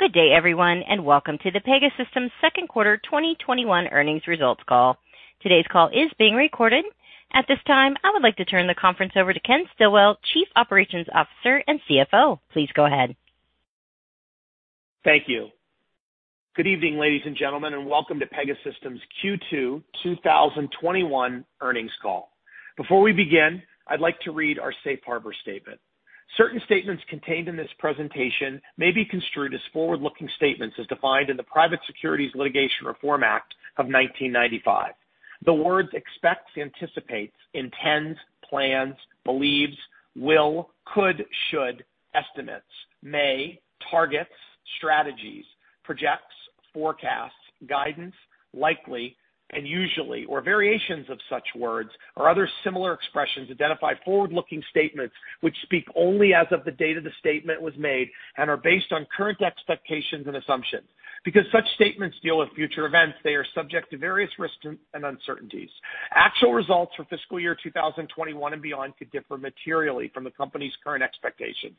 Good day everyone, and welcome to the Pegasystems Second Quarter 2021 Earnings Results Call. Today's call is being recorded. At this time, I would like to turn the conference over to Ken Stillwell, Chief Operations Officer and CFO. Please go ahead. Thank you. Good evening, ladies and gentlemen, and welcome to Pegasystems Q2 2021 Earnings Call. Before we begin, I'd like to read our safe harbor statement. Certain statements contained in this presentation may be construed as forward-looking statements as defined in the Private Securities Litigation Reform Act of 1995. The words expects, anticipates, intends, plans, believes, will, could, should, estimates, may, targets, strategies, projects, forecasts, guidance, likely, and usually, or variations of such words, or other similar expressions identify forward-looking statements which speak only as of the date of the statement was made and are based on current expectations and assumptions. Because such statements deal with future events, they are subject to various risks and uncertainties. Actual results for fiscal year 2021 and beyond could differ materially from the company's current expectations.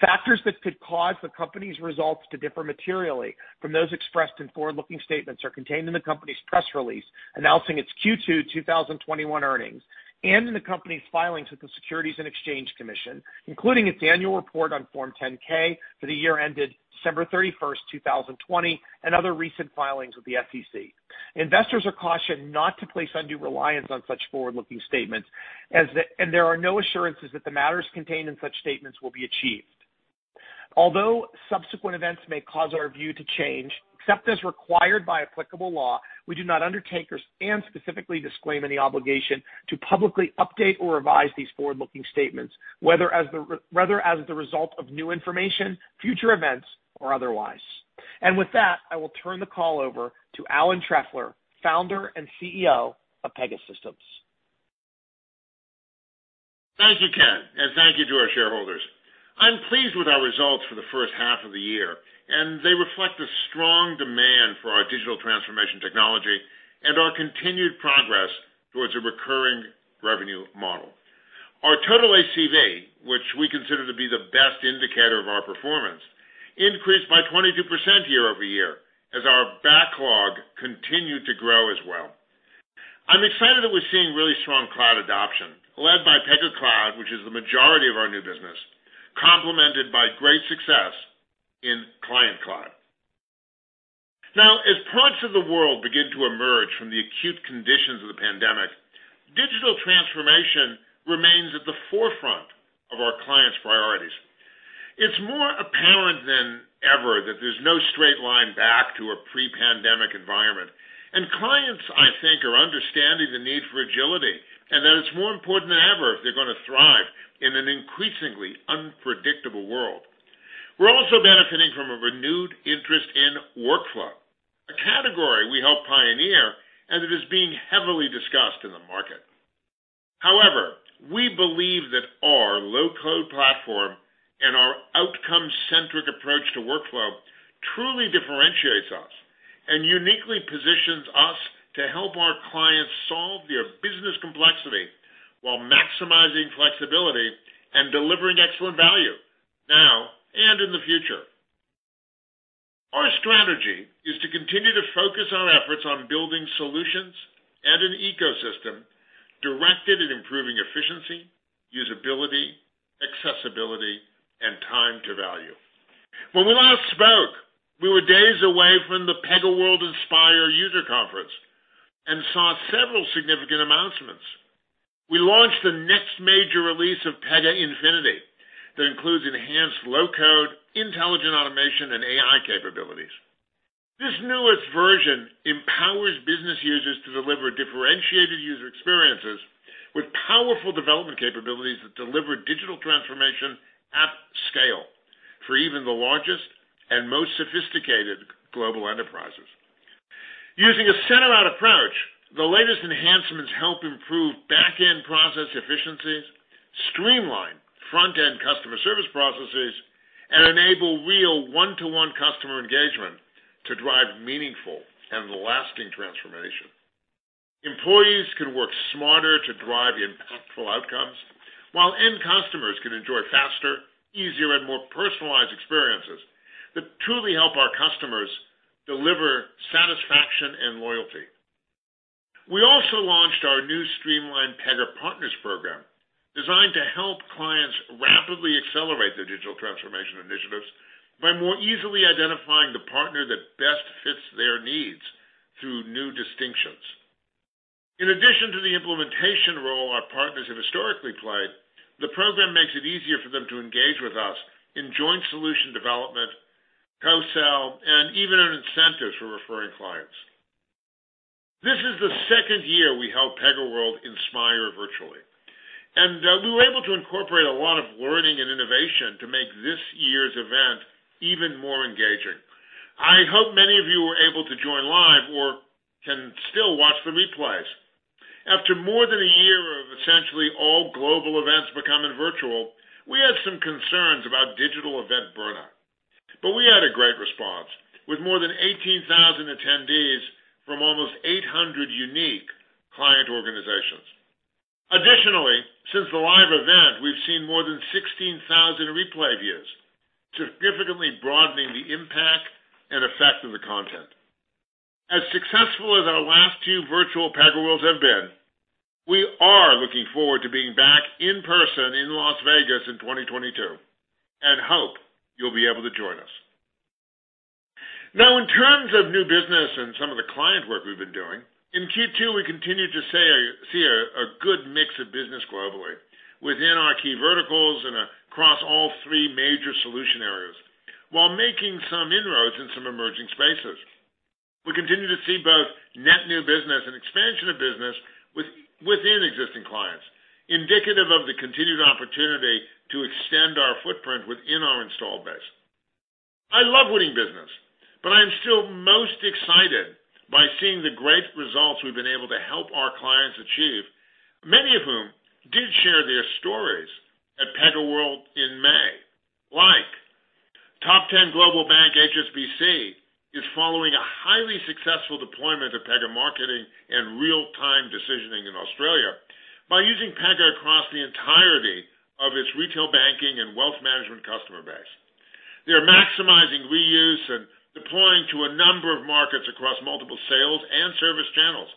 Factors that could cause the company's results to differ materially from those expressed in forward-looking statements are contained in the company's press release announcing its Q2 2021 earnings, and in the company's filings with the Securities and Exchange Commission, including its annual report on Form 10-K for the year ended December 31st, 2020, and other recent filings with the SEC. Investors are cautioned not to place undue reliance on such forward-looking statements, and there are no assurances that the matters contained in such statements will be achieved. Although subsequent events may cause our view to change, except as required by applicable law, we do not undertake or affirm, specifically disclaiming the obligation to publicly update or revise these forward-looking statements, whether as the result of new information, future events, or otherwise. With that, I will turn the call over to Alan Trefler, Founder and CEO of Pegasystems. Thank you, Ken, and thank you to our shareholders. I'm pleased with our results for the first half of the year, and they reflect a strong demand for our digital transformation technology and our continued progress towards a recurring revenue model. Our total ACV, which we consider to be the best indicator of our performance, increased by 22% year-over-year as our backlog continued to grow as well. I'm excited that we're seeing really strong cloud adoption led by Pega Cloud, which is the majority of our new business, complemented by great success in Client-managed Cloud. Now, as parts of the world begin to emerge from the acute conditions of the pandemic, digital transformation remains at the forefront of our clients' priorities. It's more apparent than ever that there's no straight line back to a pre-pandemic environment, and clients, I think, are understanding the need for agility and that it's more important than ever if they're going to thrive in an increasingly unpredictable world. We're also benefiting from a renewed interest in workflow, a category we helped pioneer, and it is being heavily discussed in the market. However, we believe that our low-code platform and our outcome-centric approach to workflow truly differentiates us and uniquely positions us to help our clients solve their business complexity while maximizing flexibility and delivering excellent value now and in the future. Our strategy is to continue to focus our efforts on building solutions and an ecosystem directed at improving efficiency, usability, accessibility, and time to value. When we last spoke, we were days away from the PegaWorld iNspire user conference and saw several significant announcements. We launched the next major release of Pega Infinity that includes enhanced low-code, intelligent automation, and AI capabilities. This newest version empowers business users to deliver differentiated user experiences with powerful development capabilities that deliver digital transformation at scale for even the largest and most sophisticated global enterprises. Using a center-out approach, the latest enhancements help improve back-end process efficiencies, streamline front-end customer service processes, and enable real one-to-one customer engagement to drive meaningful and lasting transformation. Employees can work smarter to drive impactful outcomes, while end customers can enjoy faster, easier, and more personalized experiences that truly help our customers deliver satisfaction and loyalty. We also launched our new streamlined Pega Partners program, designed to help clients rapidly accelerate their digital transformation initiatives by more easily identifying the partner that best fits their needs through new distinctions. In addition to the implementation role our partners have historically played, the program makes it easier for them to engage with us in joint solution development, co-sell, and even earn incentives for referring clients. This is the second year we held PegaWorld iNspire virtually, and we were able to incorporate a lot of learning and innovation to make this year's event even more engaging. I hope many of you were able to join live or can still watch the replays. After more than a year of essentially all global events becoming virtual, we had some concerns about digital event burnout and attendees from almost 800 unique client organizations. Additionally, since the live event, we've seen more than 16,000 replay views, significantly broadening the impact and effect of the content. As successful as our last two virtual PegaWorlds have been, we are looking forward to being back in person in Las Vegas in 2022. Hope you'll be able to join us. In terms of new business and some of the client work we've been doing, in Q2, we continue to see a good mix of business globally within our key verticals and across all three major solution areas while making some inroads in some emerging spaces. We continue to see both net new business and expansion of business within existing clients, indicative of the continued opportunity to extend our footprint within our install base. I love winning business, I am still most excited by seeing the great results we've been able to help our clients achieve, many of whom did share their stories at PegaWorld in May. Like top 10 global bank HSBC is following a highly successful deployment of Pega Marketing and real-time decisioning in Australia by using Pega across the entirety of its retail banking and wealth management customer base. They are maximizing reuse and deploying to a number of markets across multiple sales and service channels,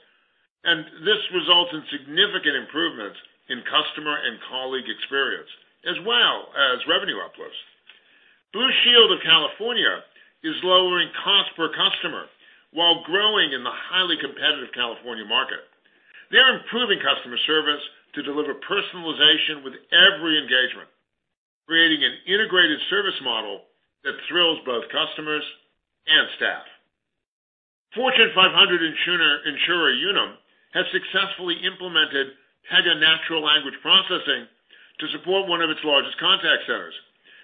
and this results in significant improvements in customer and colleague experience as well as revenue uplifts. Blue Shield of California is lowering cost per customer while growing in the highly competitive California market. They're improving customer service to deliver personalization with every engagement, creating an integrated service model that thrills both customers and staff. Fortune 500 insurer Unum has successfully implemented Pega Natural Language Processing to support one of its largest contact centers,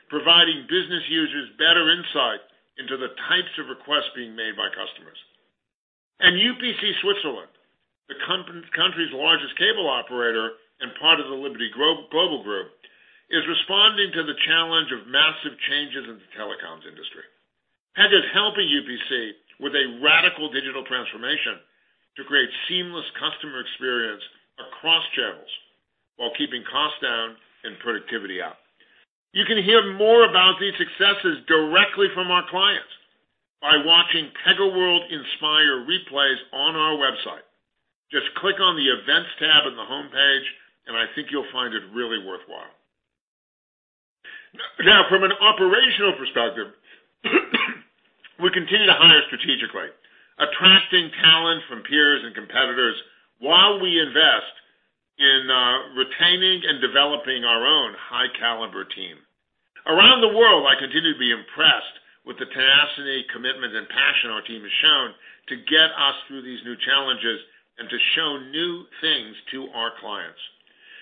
providing business users better insight into the types of requests being made by customers. UPC Switzerland, the country's largest cable operator and part of the Liberty Global group, is responding to the challenge of massive changes in the telecoms industry. Pega is helping UPC with a radical digital transformation to create seamless customer experience across channels while keeping costs down and productivity up. You can hear more about these successes directly from our clients by watching PegaWorld iNspire replays on our website. Just click on the Events tab on the homepage, and I think you'll find it really worthwhile. Now, from an operational perspective, we continue to hire strategically, attracting talent from peers and competitors while we invest in retaining and developing our own high-caliber team. Around the world, I continue to be impressed with the tenacity, commitment, and passion our team has shown to get us through these new challenges and to show new things to our clients.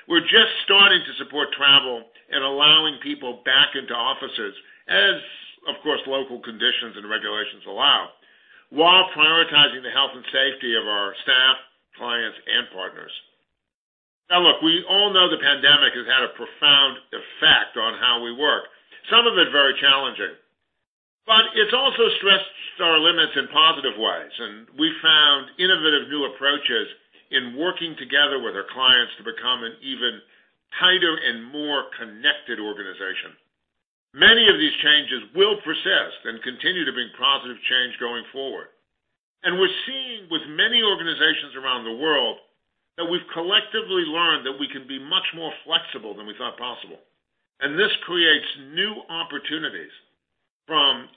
We're just starting to support travel and allowing people back into offices as, of course, local conditions and regulations allow, while prioritizing the health and safety of our staff, clients, and partners. Now look, we all know the pandemic has had a profound effect on how we work, some of it very challenging. It's also stressed our limits in positive ways, and we found innovative new approaches in working together with our clients to become an even tighter and more connected organization. Many of these changes will persist and continue to bring positive change going forward. We're seeing with many organizations around the world that we've collectively learned that we can be much more flexible than we thought possible. This creates new opportunities from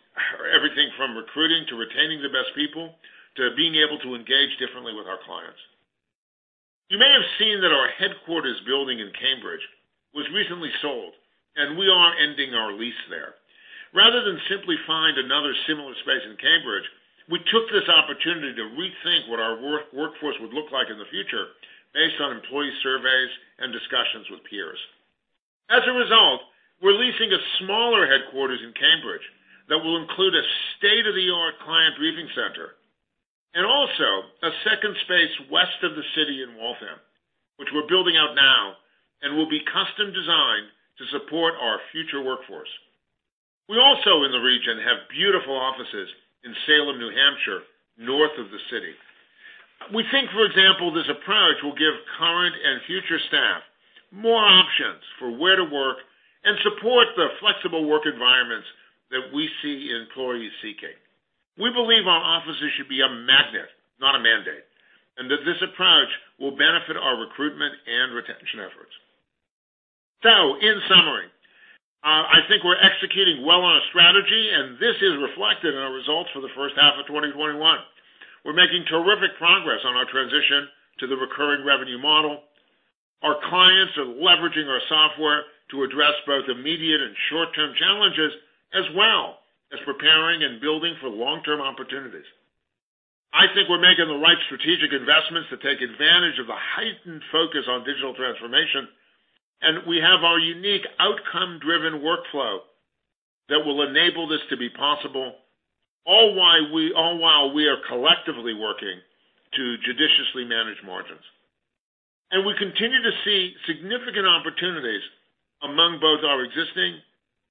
everything from recruiting to retaining the best people, to being able to engage differently with our clients. You may have seen that our headquarters building in Cambridge was recently sold, and we are ending our lease there. Rather than simply find another similar space in Cambridge, we took this opportunity to rethink what our workforce would look like in the future based on employee surveys and discussions with peers. As a result, we're leasing a smaller headquarters in Cambridge that will include a state-of-the-art client briefing center, and also a second space west of the city in Waltham, which we're building out now and will be custom designed to support our future workforce. We also, in the region, have beautiful offices in Salem, New Hampshire, north of the city. We think, for example, this approach will give current and future staff more options for where to work and support the flexible work environments that we see employees seeking. We believe our offices should be a magnet, not a mandate, and that this approach will benefit our recruitment and retention efforts. In summary, I think we're executing well on our strategy, and this is reflected in our results for the first half of 2021. We're making terrific progress on our transition to the recurring revenue model. Our clients are leveraging our software to address both immediate and short-term challenges, as well as preparing and building for long-term opportunities. I think we're making the right strategic investments to take advantage of the heightened focus on digital transformation, and we have our unique outcome-driven workflow that will enable this to be possible, all while we are collectively working to judiciously manage margins. We continue to see significant opportunities among both our existing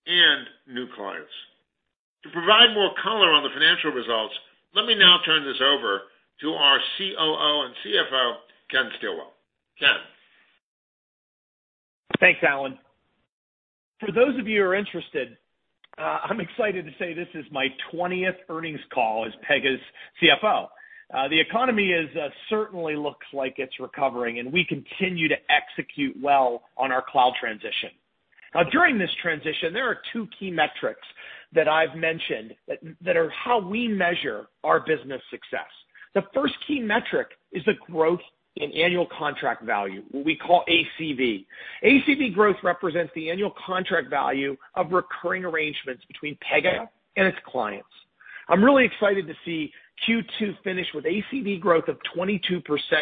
and new clients. To provide more color on the financial results, let me now turn this over to our COO and CFO, Ken Stillwell. Ken. Thanks, Alan. For those of you who are interested, I'm excited to say this is my 20th earnings call as Pega's CFO. The economy certainly looks like it's recovering, and we continue to execute well on our cloud transition. During this transition, there are two key metrics that I've mentioned that are how we measure our business success. The first key metric is the growth in annual contract value, what we call ACV. ACV growth represents the annual contract value of recurring arrangements between Pega and its clients. I'm really excited to see Q2 finish with ACV growth of 22%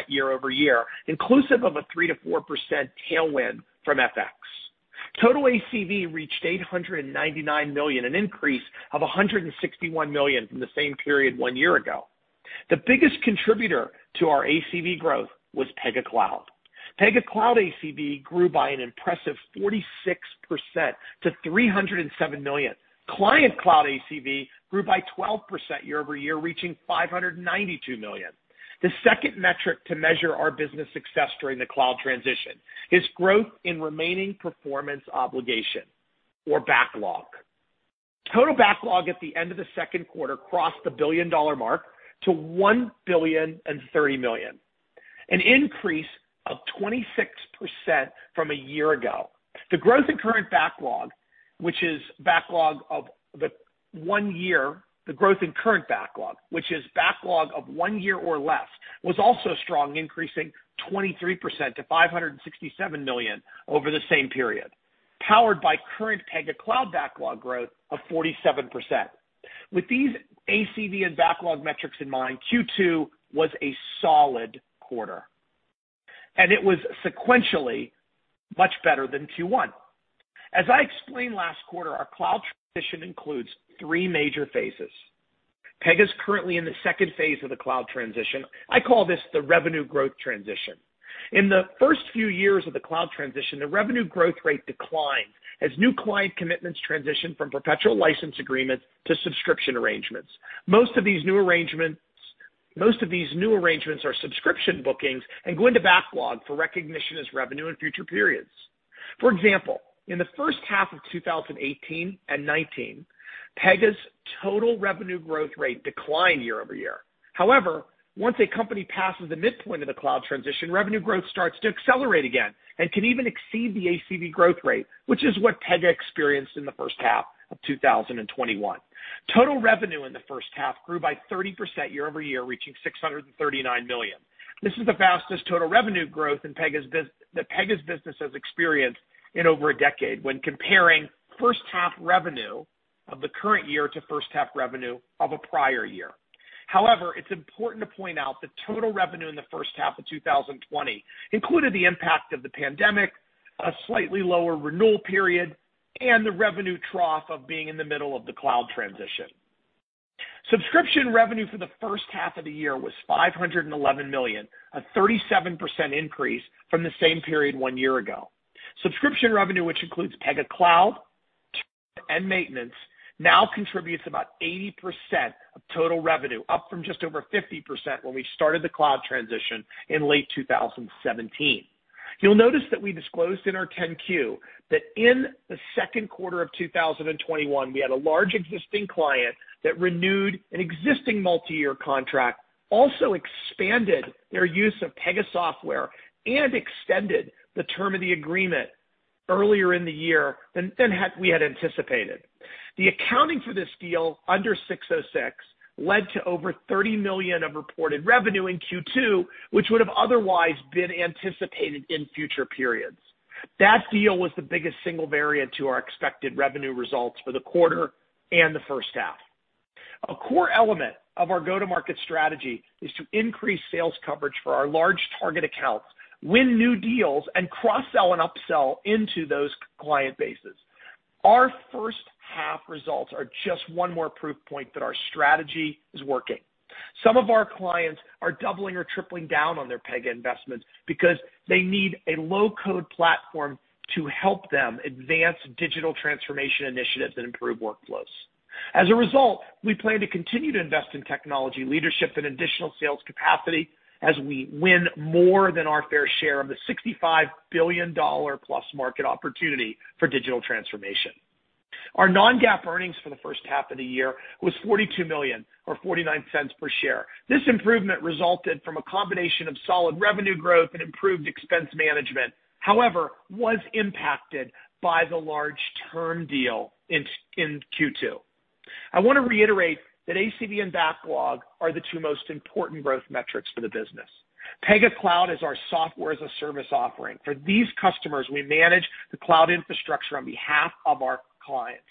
year-over-year, inclusive of a 3%-4% tailwind from FX. Total ACV reached $899 million, an increase of $161 million from the same period one year ago. The biggest contributor to our ACV growth was Pega Cloud. Pega Cloud ACV grew by an impressive 46% to $307 million. Client Cloud ACV grew by 12% year-over-year, reaching $592 million. The second metric to measure our business success during the cloud transition is growth in remaining performance obligation or backlog. Total backlog at the end of the second quarter crossed the billion-dollar mark to $1.03 billion, an increase of 26% from a year ago. The growth in current backlog, which is backlog of one year or less, was also strong, increasing 23% to $567 million over the same period, powered by current Pega Cloud backlog growth of 47%. With these ACV and backlog metrics in mind, Q2 was a solid quarter, and it was sequentially much better than Q1. As I explained last quarter, our cloud transition includes three major phases. Pega is currently in the second phase of the cloud transition. I call this the revenue growth transition. In the first few years of the cloud transition, the revenue growth rate declined as new client commitments transitioned from perpetual license agreements to subscription arrangements. Most of these new arrangements are subscription bookings and go into backlog for recognition as revenue in future periods. For example, in the first half of 2018 and 2019, Pega's total revenue growth rate declined year-over-year. However, once a company passes the midpoint of the cloud transition, revenue growth starts to accelerate again and can even exceed the ACV growth rate, which is what Pega experienced in the first half of 2021. Total revenue in the first half grew by 30% year-over-year, reaching $639 million. This is the fastest total revenue growth that Pega's business has experienced in over a decade when comparing first half revenue of the current year to first half revenue of a prior year. However, it's important to point out that total revenue in the first half of 2020 included the impact of the pandemic, a slightly lower renewal period, and the revenue trough of being in the middle of the cloud transition. Subscription revenue for the first half of the year was $511 million, a 37% increase from the same period one year ago. Subscription revenue, which includes Pega Cloud, term, and maintenance, now contributes about 80% of total revenue, up from just over 50% when we started the cloud transition in late 2017. You'll notice that we disclosed in our 10-Q that in the second quarter of 2021, we had a large existing client that renewed an existing multi-year contract, also expanded their use of Pega software, and extended the term of the agreement earlier in the year than we had anticipated. The accounting for this deal under 606 led to over $30 million of reported revenue in Q2, which would have otherwise been anticipated in future periods. That deal was the biggest single variant to our expected revenue results for the quarter and the first half. A core element of our go-to-market strategy is to increase sales coverage for our large target accounts, win new deals, and cross-sell and upsell into those client bases. Our first half results are just one more proof point that our strategy is working. Some of our clients are doubling or tripling down on their Pega investments because they need a low-code platform to help them advance digital transformation initiatives and improve workflows. As a result, we plan to continue to invest in technology leadership and additional sales capacity as we win more than our fair share of the $65 billion plus market opportunity for digital transformation. Our non-GAAP earnings for the first half of the year was $42 million or $0.49 per share. This improvement resulted from a combination of solid revenue growth and improved expense management, however, was impacted by the large term deal in Q2. I want to reiterate that ACV and backlog are the two most important growth metrics for the business. Pega Cloud is our software-as-a-service offering. For these customers, we manage the cloud infrastructure on behalf of our clients.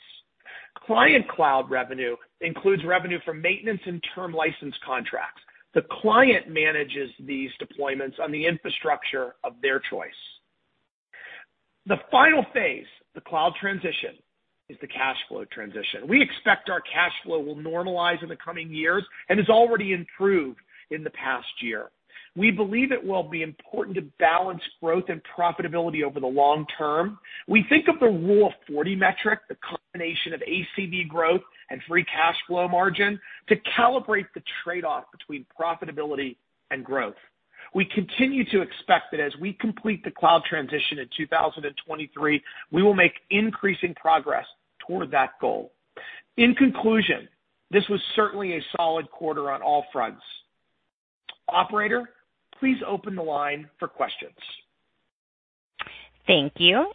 Client-managed Cloud revenue includes revenue from maintenance and term license contracts. The client manages these deployments on the infrastructure of their choice. The final phase, the cloud transition, is the cash flow transition. We expect our cash flow will normalize in the coming years and has already improved in the past year. We believe it will be important to balance growth and profitability over the long term. We think of the Rule of 40 metric, the combination of ACV growth and free cash flow margin, to calibrate the trade-off between profitability and growth. We continue to expect that as we complete the cloud transition in 2023, we will make increasing progress toward that goal. In conclusion, this was certainly a solid quarter on all fronts. Operator, please open the line for questions. Thank you.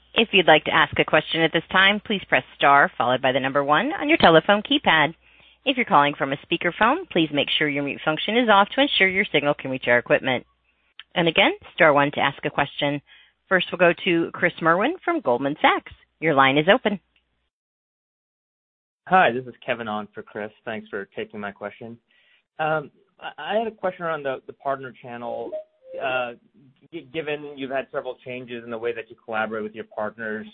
First, we'll go to Chris Merwin from Goldman Sachs. Your line is open. Hi, this is Kevin on for Chris. Thanks for taking my question. I had a question around the partner channel. Given you've had several changes in the way that you collaborate with your partners,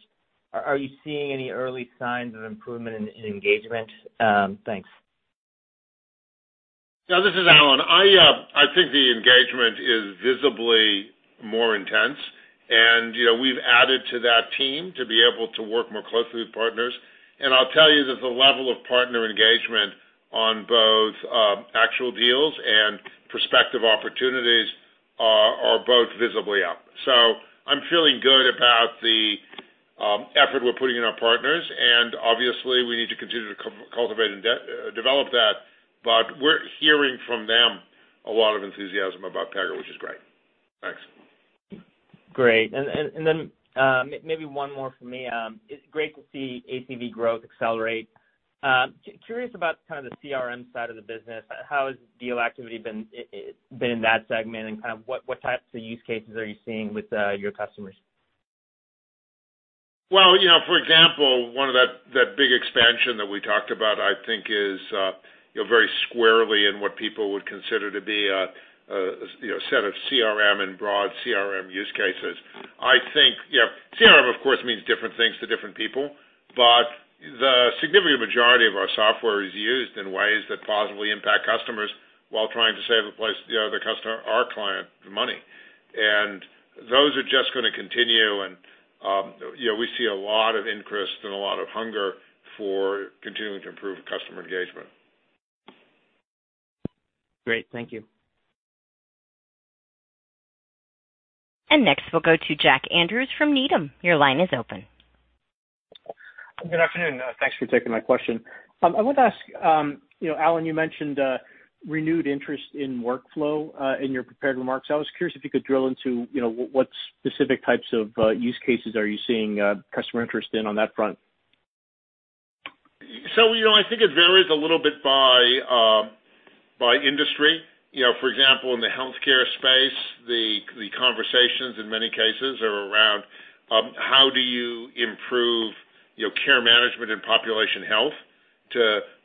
are you seeing any early signs of improvement in engagement? Thanks. Yeah. This is Alan. I think the engagement is visibly more intense and we've added to that team to be able to work more closely with partners. I'll tell you that the level of partner engagement on both actual deals and prospective opportunities are both visibly up. I'm feeling good about the effort we're putting in our partners, and obviously we need to continue to cultivate and develop that. We're hearing from them a lot of enthusiasm about Pega, which is great. Thanks. Great. Maybe one more from me. It's great to see ACV growth accelerate. Curious about kind of the CRM side of the business. How has deal activity been in that segment, and what types of use cases are you seeing with your customers? Well, for example, one of that big expansion that we talked about, I think is very squarely in what people would consider to be a set of CRM and broad CRM use cases. I think CRM, of course, means different things to different people, but the significant majority of our software is used in ways that positively impact customers while trying to save our client the money. Those are just going to continue and we see a lot of interest and a lot of hunger for continuing to improve customer engagement. Great. Thank you. Next, we'll go to Jack Andrews from Needham. Your line is open. Good afternoon. Thanks for taking my question. I want to ask, Alan, you mentioned renewed interest in workflow in your prepared remarks. I was curious if you could drill into what specific types of use cases are you seeing customer interest in on that front? I think it varies a little bit by industry. For example, in the healthcare space, the conversations in many cases are around how do you improve care management and population health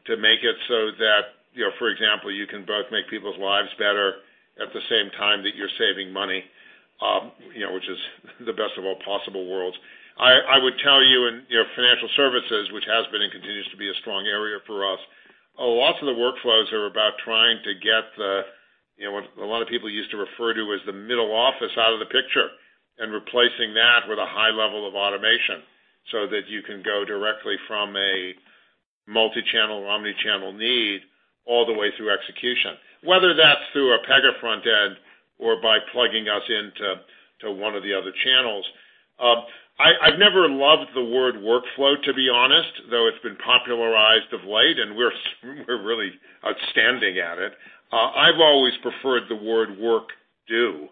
to make it so that, for example, you can both make people's lives better at the same time that you're saving money, which is the best of all possible worlds. I would tell you in financial services, which has been and continues to be a strong area for us, a lot of the workflows are about trying to get what a lot of people used to refer to as the middle office out of the picture and replacing that with a high level of automation so that you can go directly from a multi-channel, omni-channel need all the way through execution. Whether that's through a Pega front end or by plugging us into one of the other channels. I've never loved the word workflow, to be honest, though it's been popularized of late, and we're really outstanding at it. I've always preferred the word work do,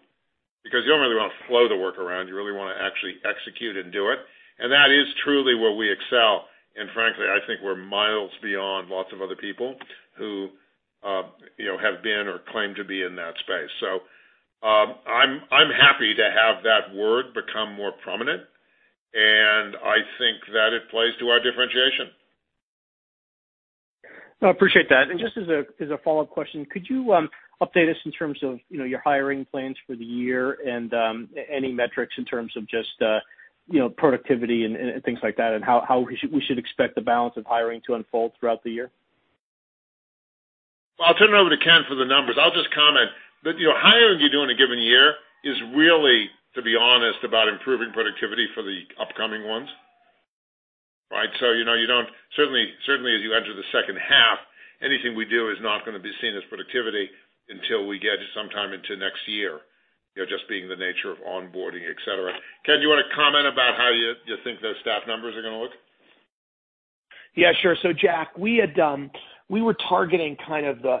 because you don't really want to flow the work around. You really want to actually execute and do it, and that is truly where we excel. Frankly, I think we're miles beyond lots of other people who have been or claim to be in that space. I'm happy to have that word become more prominent, and I think that it plays to our differentiation. I appreciate that. Just as a follow-up question, could you update us in terms of your hiring plans for the year and any metrics in terms of just productivity and things like that, and how we should expect the balance of hiring to unfold throughout the year? I'll turn it over to Ken for the numbers. I'll just comment that hiring you do in a given year is really, to be honest, about improving productivity for the upcoming ones. Right? Certainly as you enter the second half, anything we do is not going to be seen as productivity until we get sometime into next year, just being the nature of onboarding, et cetera. Ken, do you want to comment about how you think those staff numbers are going to look? Yeah, sure. Jack, we were targeting kind of the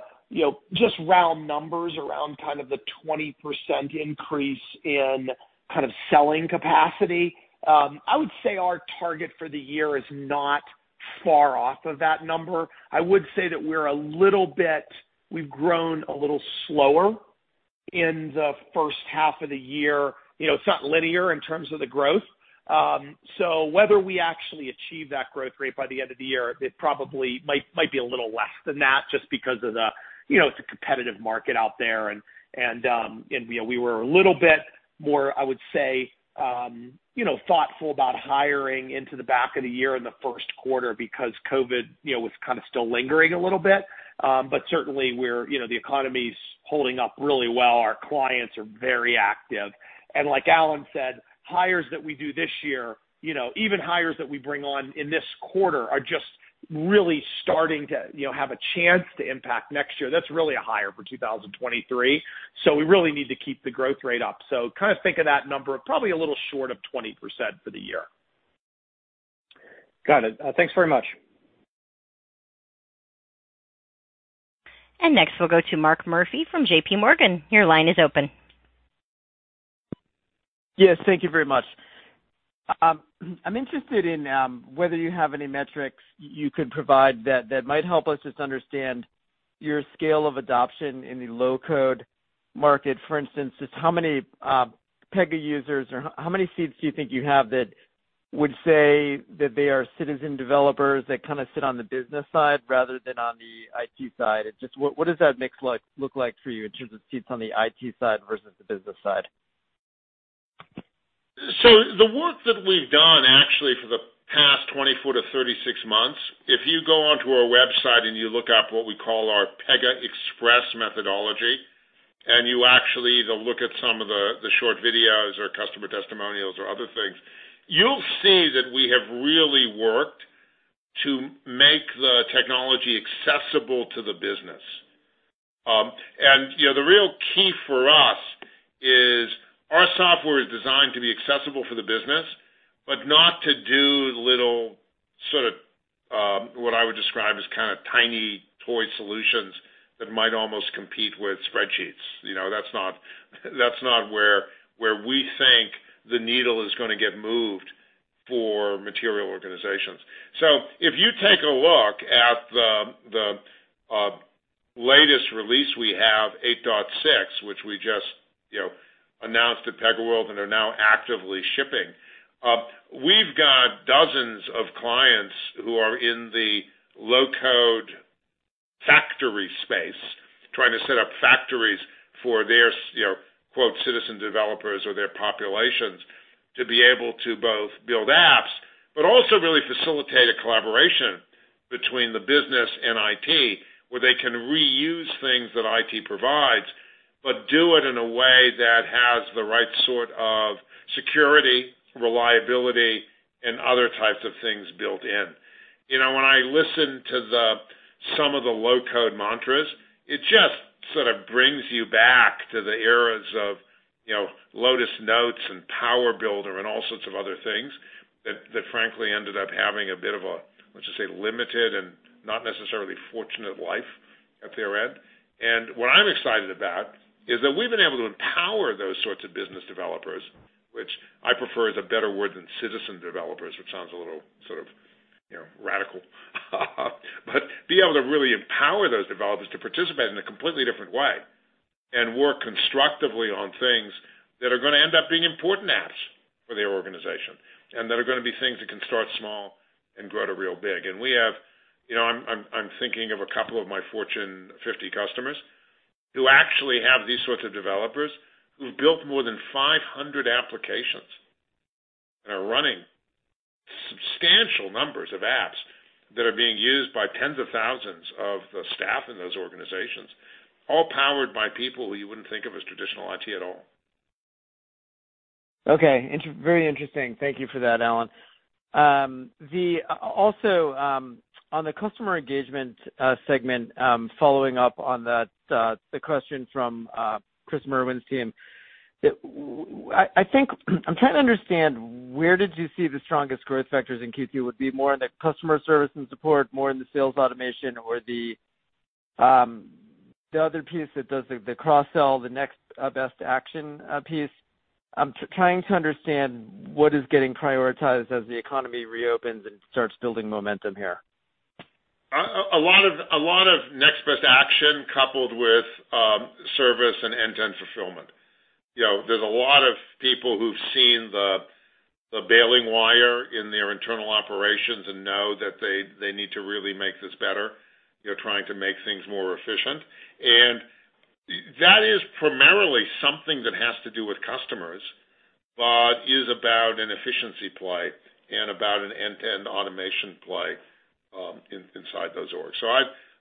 just round numbers around kind of the 20% increase in kind of selling capacity. I would say our target for the year is not far off of that number. I would say that we've grown a little slower in the first half of the year. It's not linear in terms of the growth. Whether we actually achieve that growth rate by the end of the year, it probably might be a little less than that just because it's a competitive market out there and we were a little bit more, I would say, thoughtful about hiring into the back of the year in the first quarter because COVID was kind of still lingering a little bit. Certainly, the economy's holding up really well. Our clients are very active. Like Alan said, hires that we do this year, even hires that we bring on in this quarter, are just really starting to have a chance to impact next year. That's really a hire for 2023. We really need to keep the growth rate up. Kind of think of that number probably a little short of 20% for the year. Got it. Thanks very much. Next, we'll go to Mark Murphy from JPMorgan. Your line is open. Yes, thank you very much. I'm interested in whether you have any metrics you could provide that might help us just understand your scale of adoption in the low-code market. For instance, just how many Pega users, or how many seats do you think you have that would say that they are citizen developers that kind of sit on the business side rather than on the IT side? Just what does that mix look like for you in terms of seats on the IT side versus the business side? The work that we've done, actually, for the past 24-36 months, if you go onto our website and you look up what we call our Pega Express methodology, and you actually either look at some of the short videos or customer testimonials or other things, you'll see that we have really worked to make the technology accessible to the business. The real key for us is our software is designed to be accessible for the business, but not to do little, what I would describe as kind of tiny toy solutions that might almost compete with spreadsheets. That's not where we think the needle is going to get moved for material organizations. If you take a look at the latest release we have, 8.6, which we just announced at PegaWorld and are now actively shipping. We've got dozens of clients who are in the low-code factory space trying to set up factories for their citizen developers or their populations to be able to both build apps, but also really facilitate a collaboration between the business and IT, where they can reuse things that IT provides, but do it in a way that has the right sort of security, reliability, and other types of things built in. When I listen to some of the low-code mantras, it just sort of brings you back to the eras of Lotus Notes and PowerBuilder and all sorts of other things that frankly ended up having a bit of a, let's just say, limited and not necessarily fortunate life at their end. What I'm excited about is that we've been able to empower those sorts of business developers, which I prefer is a better word than citizen developers, which sounds a little sort of radical. Be able to really empower those developers to participate in a completely different way and work constructively on things that are going to end up being important apps for their organization, and that are going to be things that can start small and grow to real big. I'm thinking of a couple of my Fortune 50 customers who actually have these sorts of developers who've built more than 500 applications and are running substantial numbers of apps that are being used by tens of thousands of the staff in those organizations, all powered by people who you wouldn't think of as traditional IT at all. Okay. Very interesting. Thank you for that, Alan. On the customer engagement segment, following up on the question from Chris Merwin's team. I'm trying to understand where did you see the strongest growth vectors in Q2 would be more in the customer service and support, more in the sales automation or the other piece that does the cross-sell, the Next-Best-Action piece. I'm trying to understand what is getting prioritized as the economy reopens and starts building momentum here. A lot of Next-Best-Action coupled with service and end-to-end fulfillment. There's a lot of people who've seen the bailing wire in their internal operations and know that they need to really make this better, trying to make things more efficient. That is primarily something that has to do with customers, but is about an efficiency play and about an end-to-end automation play inside those orgs.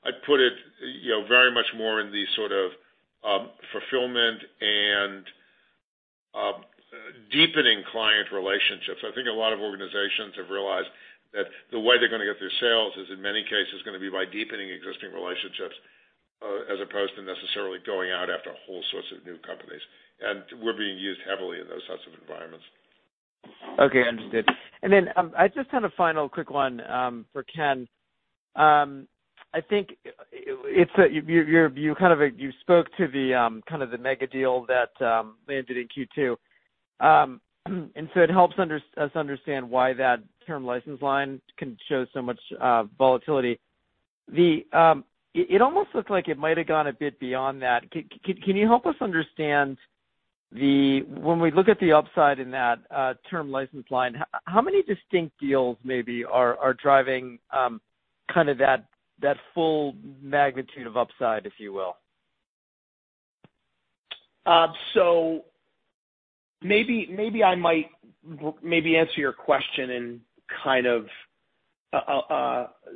I'd put it very much more in the sort of fulfillment and deepening client relationships. I think a lot of organizations have realized that the way they're going to get their sales is, in many cases, going to be by deepening existing relationships, as opposed to necessarily going out after a whole sorts of new companies. We're being used heavily in those sorts of environments. Okay, understood. I just had a final quick one for Ken. You spoke to the mega deal that landed in Q2. It helps us understand why that term license line can show so much volatility. It almost looked like it might've gone a bit beyond that. Can you help us understand? When we look at the upside in that term license line, how many distinct deals maybe are driving that full magnitude of upside, if you will? Maybe I might answer your question in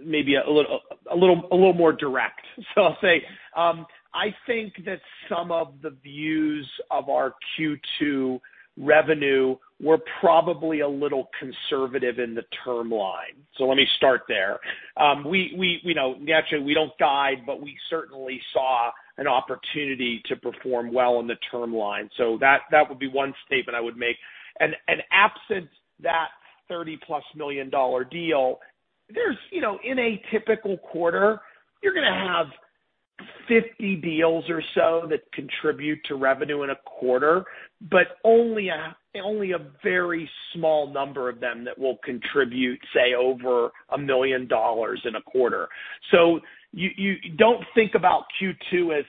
maybe a little more direct. I'll say, I think that some of the views of our Q2 revenue were probably a little conservative in the term line. Let me start there. Naturally, we don't guide, but we certainly saw an opportunity to perform well in the term line. That would be one statement I would make. Absent that $30+ million deal, in a typical quarter, you're going to have 50 deals or so that contribute to revenue in a quarter, but only a very small number of them that will contribute, say, over $1 million in a quarter. You don't think about Q2 as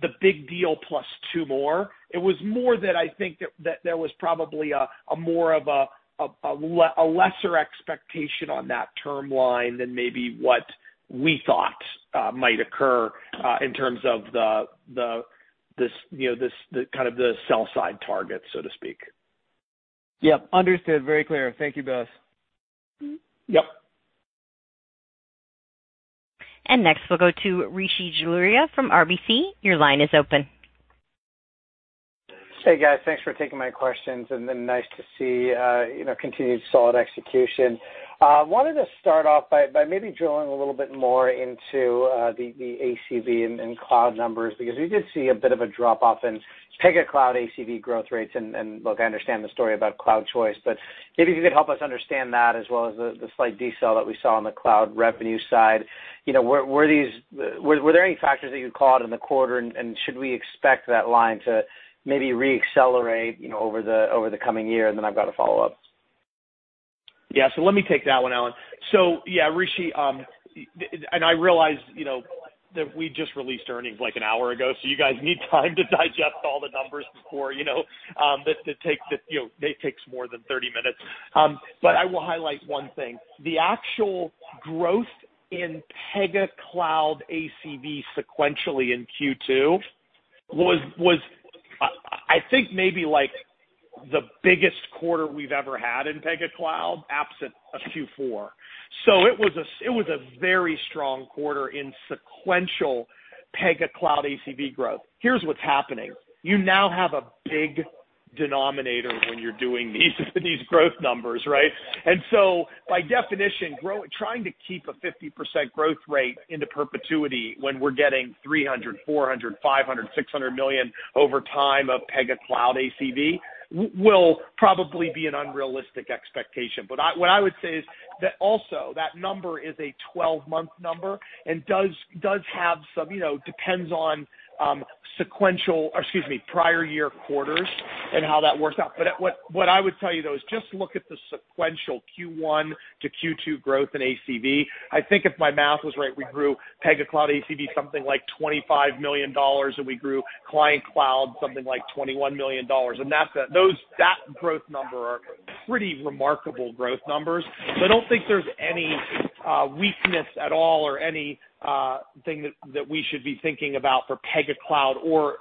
the big deal plus two more. It was more that I think that there was probably more of a lesser expectation on that term line than maybe what we thought might occur in terms of the sell side target, so to speak. Yep. Understood. Very clear. Thank you, guys. Yep. Next, we'll go to Rishi Jaluria from RBC. Your line is open. Hey, guys. Thanks for taking my questions, and nice to see continued solid execution. Wanted to start off by maybe drilling a little bit more into the ACV and Pega Cloud numbers, because we did see a bit of a drop-off in Pega Cloud ACV growth rates, and look, I understand the story about Cloud Choice, but maybe if you could help us understand that as well as the slight decel that we saw on the Pega Cloud revenue side. Were there any factors that you'd call out in the quarter, and should we expect that line to maybe re-accelerate over the coming year? I've got a follow-up. Yeah. Let me take that one, Alan. Yeah, Rishi, I realize that we just released earnings like an hour ago, you guys need time to digest all the numbers before it takes more than 30 minutes. I will highlight one thing. The actual growth in Pega Cloud ACV sequentially in Q2 was, I think, maybe the biggest quarter we've ever had in Pega Cloud, absent a Q4. It was a very strong quarter in sequential Pega Cloud ACV growth. Here's what's happening. You now have a big denominator when you're doing these growth numbers, right? By definition, trying to keep a 50% growth rate into perpetuity when we're getting $300 million, $400 million, $500 million, $600 million over time of Pega Cloud ACV will probably be an unrealistic expectation. What I would say is that also that number is a 12-month number and depends on prior year quarters and how that works out. What I would tell you, though, is just look at the sequential Q1 to Q2 growth in ACV. I think if my math was right, we grew Pega Cloud ACV something like $25 million, and we grew Client-managed Cloud something like $21 million. That growth number are pretty remarkable growth numbers. I don't think there's any weakness at all or anything that we should be thinking about for Pega Cloud or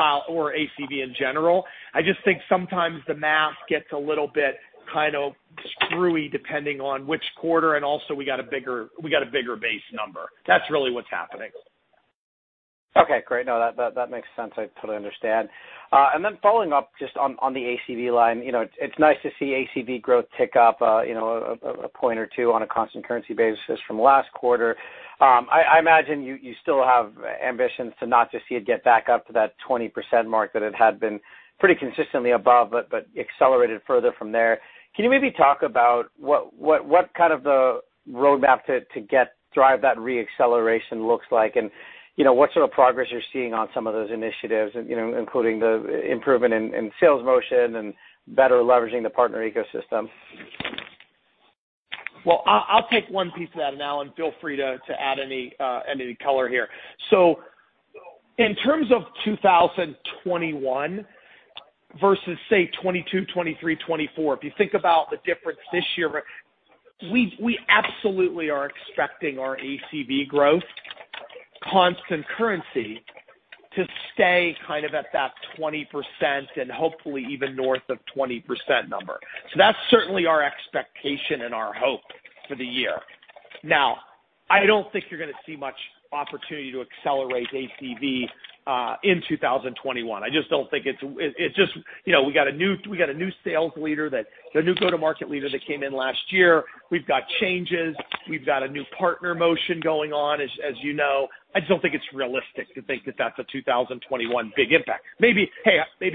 ACV in general. I just think sometimes the math gets a little bit screwy depending on which quarter, and also we got a bigger base number. That's really what's happening. Okay, great. No, that makes sense. I totally understand. Following up just on the ACV line. It's nice to see ACV growth tick up one or two points on a constant currency basis from last quarter. I imagine you still have ambitions to not just see it get back up to that 20% mark that it had been pretty consistently above, but accelerated further from there. Can you maybe talk about what kind of the roadmap to drive that re-acceleration looks like, and what sort of progress you're seeing on some of those initiatives, including the improvement in sales motion and better leveraging the partner ecosystem? Well, I'll take one piece of that, and Alan, feel free to add any color here. In terms of 2021 versus say 2022, 2023, 2024, if you think about the difference this year, we absolutely are expecting our ACV growth constant currency to stay at that 20% and hopefully even north of 20% number. That's certainly our expectation and our hope for the year. Now, I don't think you're going to see much opportunity to accelerate ACV in 2021. We got a new sales leader, the new go-to-market leader that came in last year. We've got changes. We've got a new partner motion going on, as you know. I just don't think it's realistic to think that that's a 2021 big impact. Maybe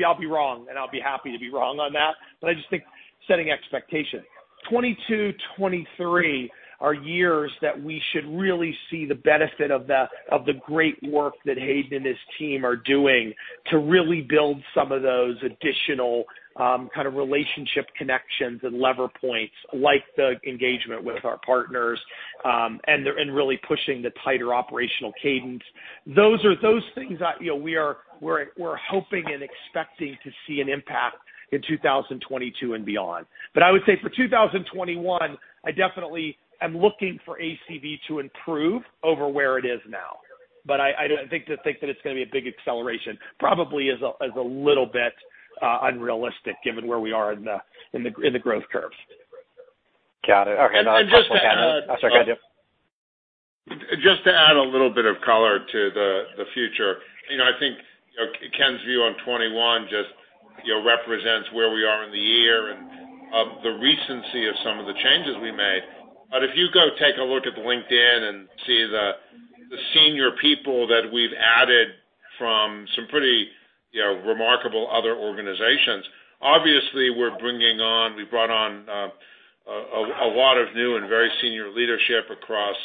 I'll be wrong, and I'll be happy to be wrong on that, but I just think setting expectations. 2022, 2023 are years that we should really see the benefit of the great work that Hayden and his team are doing to really build some of those additional kind of relationship connections and lever points, like the engagement with our partners, and really pushing the tighter operational cadence. Those are things that we're hoping and expecting to see an impact in 2022 and beyond. I would say for 2021, I definitely am looking for ACV to improve over where it is now. I think that it's going to be a big acceleration probably is a little bit unrealistic given where we are in the growth curves. Got it. Okay. And just to add... Sorry, go ahead, Alan. Just to add a little bit of color to the future. I think Ken's view on 2021 just represents where we are in the year and of the recency of some of the changes we made. If you go take a look at LinkedIn and see the senior people that we've added from some pretty remarkable other organizations, obviously we've brought on a lot of new and very senior leadership across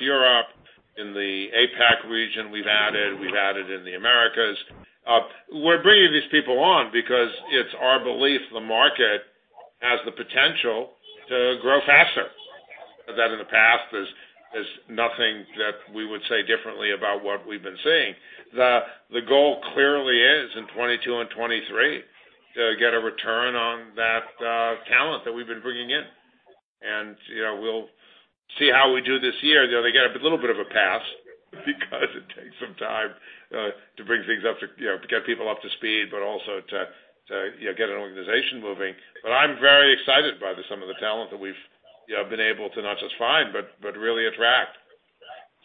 Europe, in the APAC region we've added, we've added in the Americas. We're bringing these people on because it's our belief the market has the potential to grow faster than in the past. There's nothing that we would say differently about what we've been seeing. The goal clearly is in 2022 and 2023, to get a return on that talent that we've been bringing in. We'll see how we do this year. They get a little bit of a pass because it takes some time to get people up to speed, but also to get an organization moving. I'm very excited by some of the talent that we've been able to not just find, but really attract.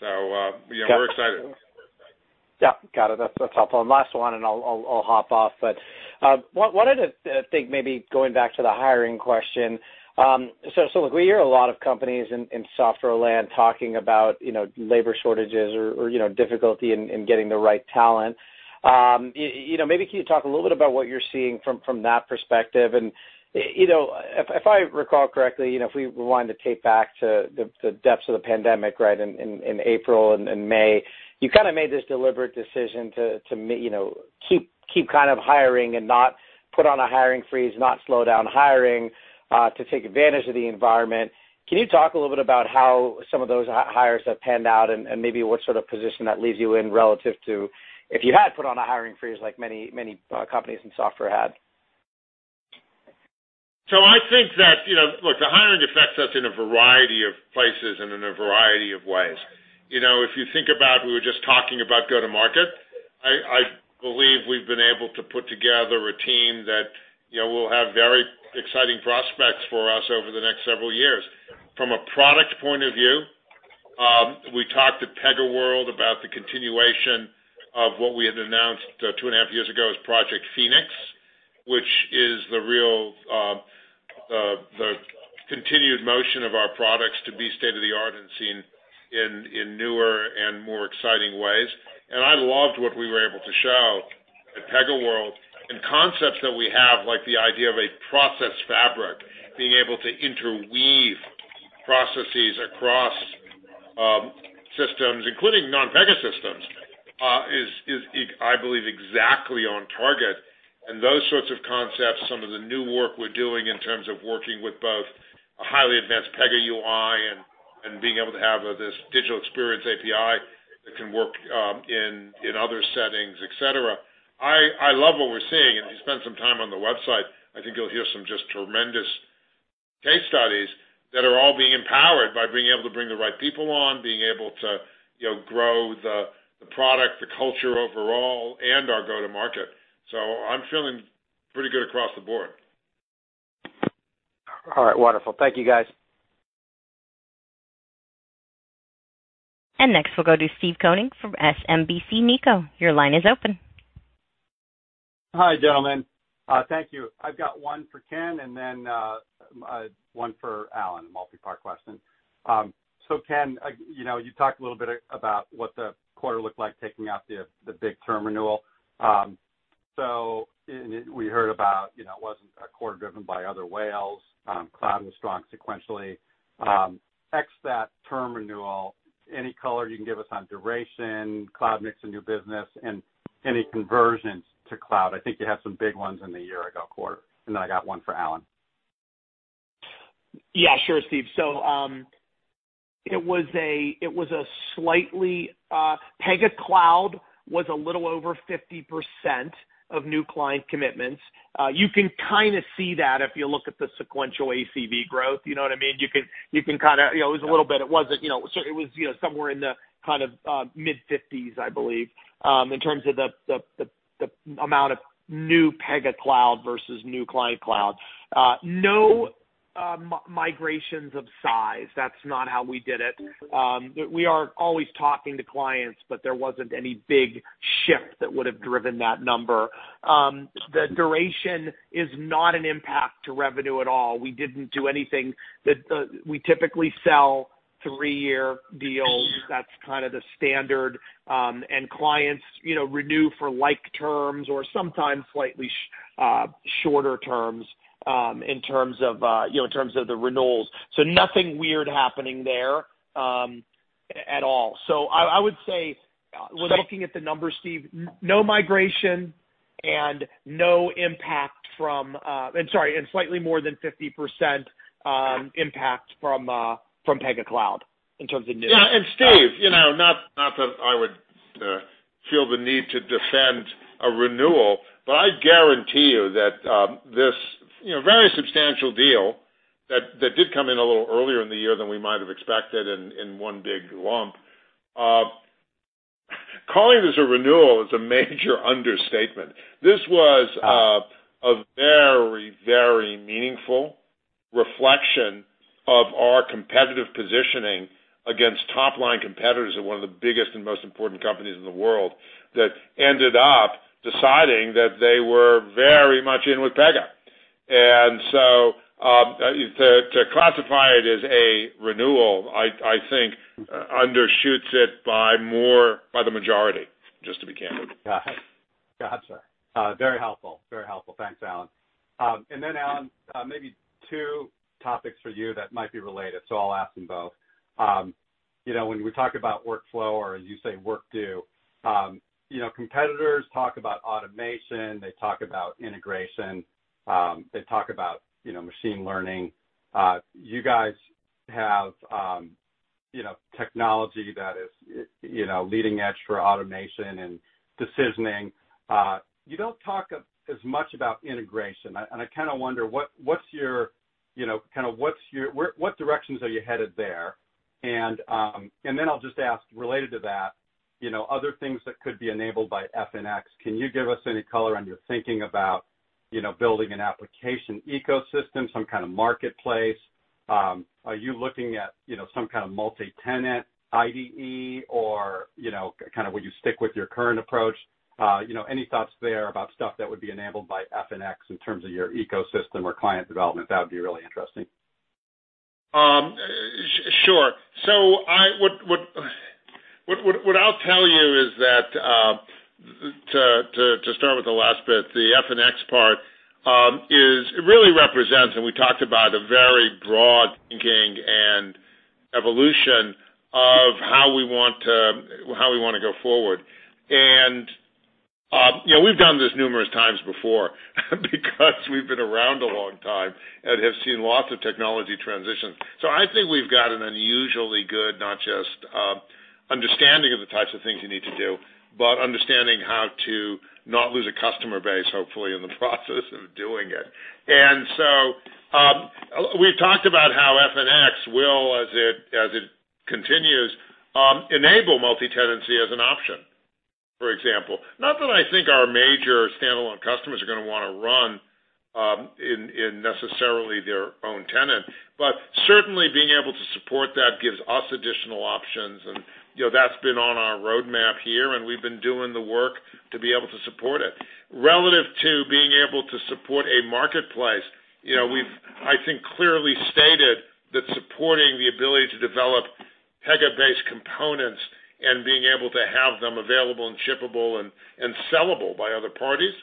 We're excited. Yeah. Got it. That's helpful. Last one, and I'll hop off. Wanted to think maybe going back to the hiring question. Look, we hear a lot of companies in software land talking about labor shortages or difficulty in getting the right talent. Maybe can you talk a little bit about what you're seeing from that perspective? If I recall correctly, if we wind the tape back to the depths of the pandemic, right, in April and May, you kind of made this deliberate decision to keep kind of hiring and not put on a hiring freeze, not slow down hiring, to take advantage of the environment. Can you talk a little bit about how some of those hires have panned out, and maybe what sort of position that leaves you in relative to if you had put on a hiring freeze like many companies in software had? I think that, look, the hiring affects us in a variety of places and in a variety of ways. If you think about, we were just talking about go-to-market. I believe we've been able to put together a team that will have very exciting prospects for us over the next several years. From a product point of view, we talked at PegaWorld about the continuation of what we had announced two and a half years ago as Project Phoenix, which is the real continued motion of our products to be state-of-the-art and seen in newer and more exciting ways. I loved what we were able to show at PegaWorld and concepts that we have, like the idea of a Process Fabric, being able to interweave processes across systems, including non-Pega systems, is, I believe, exactly on target. Those sorts of concepts, some of the new work we're doing in terms of working with both a highly advanced Pega UI and being able to have this Digital Experience API that can work in other settings, et cetera. I love what we're seeing. If you spend some time on the website, I think you'll hear some just tremendous case studies that are all being empowered by being able to bring the right people on, being able to grow the product, the culture overall, and our go-to-market. I'm feeling pretty good across the board. All right, wonderful. Thank you guys. Next, we'll go to Steve Koenig from SMBC Nikko. Hi, gentlemen. Thank you. I've got one for Ken and then one for Alan, a multi-part question. Ken, you talked a little bit about what the quarter looked like taking out the big term renewal. We heard about it wasn't a quarter driven by other whales. Cloud was strong sequentially. Ex that term renewal, any color you can give us on duration, cloud mix in new business, and any conversions to cloud? I think you had some big ones in the year-ago quarter. I got one for Alan. Yeah, sure, Steve. Pega Cloud was a little over 50% of new client commitments. You can kind of see that if you look at the sequential ACV growth, you know what I mean? It was a little bit. It was somewhere in the kind of mid-50s, I believe, in terms of the amount of new Pega Cloud versus new client cloud. No migrations of size. That's not how we did it. We are always talking to clients, there wasn't any big shift that would have driven that number. The duration is not an impact to revenue at all. We didn't do anything. We typically sell three-year deals. That's kind of the standard. Clients renew for like terms or sometimes slightly shorter terms in terms of the renewals. Nothing weird happening there at all. I would say, when looking at the numbers, Steve, no migration and sorry, and slightly more than 50% impact from Pega Cloud in terms of new. Yeah, Steve, not that I feel the need to defend a renewal, I guarantee you that this very substantial deal that did come in a little earlier in the year than we might have expected in one big lump. Calling this a renewal is a major understatement. This was a very, very meaningful reflection of our competitive positioning against top-line competitors at one of the biggest and most important companies in the world that ended up deciding that they were very much in with Pega. To classify it as a renewal, I think undershoots it by the majority, just to be candid. Got it. Gotcha. Very helpful. Very helpful. Thanks, Alan. Alan, maybe two topics for you that might be related. I'll ask them both. When we talk about workflow or as you say, work do, competitors talk about automation, they talk about integration, they talk about machine learning. You guys have technology that is leading edge for automation and decisioning. You don't talk as much about integration. I wonder what directions are you headed there? I'll just ask, related to that, other things that could be enabled by FNX, can you give us any color on your thinking about building an application ecosystem, some kind of marketplace? Are you looking at some kind of multi-tenant IDE or will you stick with your current approach? Any thoughts there about stuff that would be enabled by FNX in terms of your ecosystem or client development? That would be really interesting. What I'll tell you is that, to start with the last bit, the FNX part, is it really represents, and we talked about a very broad thinking and evolution of how we want to go forward. We've done this numerous times before because we've been around a long time and have seen lots of technology transitions. I think we've got an unusually good, not just understanding of the types of things you need to do, but understanding how to not lose a customer base, hopefully, in the process of doing it. We've talked about how FNX will, as it continues, enable multi-tenancy as an option, for example. Not that I think our major standalone customers are going to want to run in necessarily their own tenant. Certainly being able to support that gives us additional options, and that's been on our roadmap here, and we've been doing the work to be able to support it. Relative to being able to support a marketplace, we've, I think, clearly stated that supporting the ability to develop Pega-based components and being able to have them available and shippable and sellable by other parties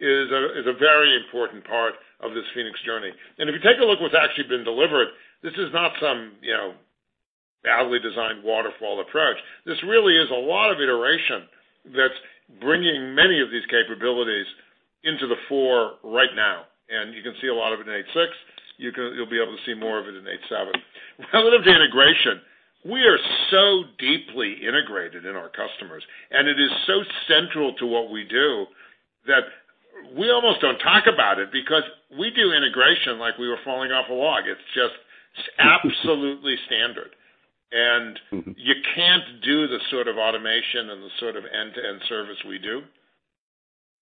is a very important part of this Phoenix journey. If you take a look at what's actually been delivered, this is not some badly designed waterfall approach. This really is a lot of iteration that's bringing many of these capabilities into the fore right now. You can see a lot of it in 8.6, you'll be able to see more of it in 8.7. Relative to integration, we are so deeply integrated in our customers. It is so central to what we do that we almost don't talk about it, because we do integration like we were falling off a log. It's just absolutely standard. You can't do the sort of automation and the sort of end-to-end service we do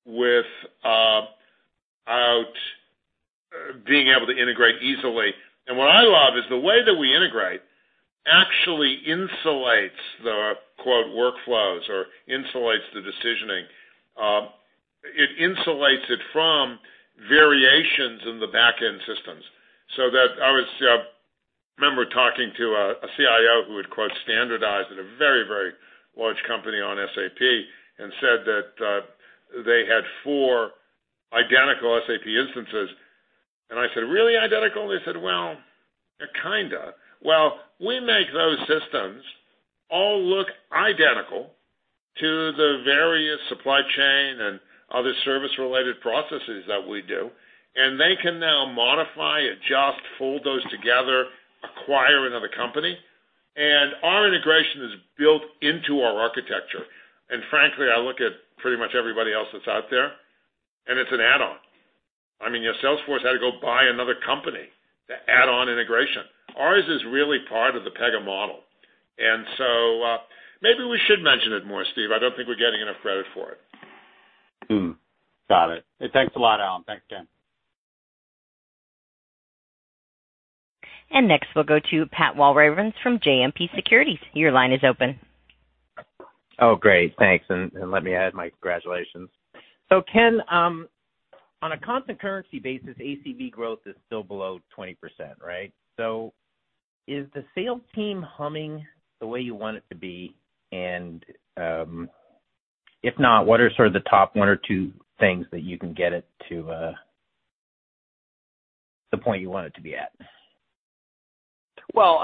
without being able to integrate easily. What I love is the way that we integrate actually insulates the quote workflows or insulates the decisioning. It insulates it from variations in the back-end systems. I remember talking to a CIO who had quote standardized at a very, very large company on SAP and said that they had four identical SAP instances. I said, really identical? They said, well, kind of. Well, we make those systems all look identical to the various supply chain and other service-related processes that we do, and they can now modify, adjust, fold those together, acquire another company. Our integration is built into our architecture. Frankly, I look at pretty much everybody else that's out there, and it's an add-on. I mean, Salesforce had to go buy another company to add on integration. Ours is really part of the Pega model. So, maybe we should mention it more, Steve. I don't think we're getting enough credit for it. Got it. Thanks a lot, Alan. Thanks, Ken. Next, we'll go to Pat Walravens from JMP Securities. Your line is open. Oh, great. Thanks. Let me add my congratulations. Ken, on a constant currency basis, ACV growth is still below 20%, right? Is the sales team humming the way you want it to be? If not, what are sort of the top one or two things that you can get it to the point you want it to be at? Well,